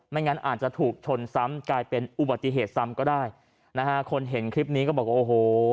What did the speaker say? งั้นอาจจะถูกชนซ้ำกลายเป็นอุบัติเหตุซ้ำก็ได้นะฮะคนเห็นคลิปนี้ก็บอกว่าโอ้โห